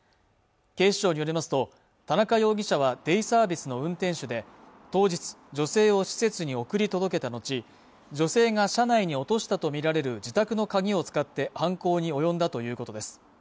警視庁によりますと田中容疑者はデイサービスの運転手で当日女性を施設に送り届けた後女性が車内に落としたと見られる自宅の鍵を使って犯行に及んだということです